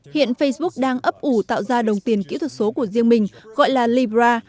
hiện facebook đang ấp ủ tạo ra đồng tiền kỹ thuật số của riêng mình gọi là libra